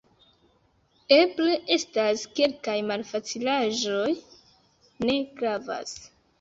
Eble estas kelkaj malfacilaĵoj... ne gravas.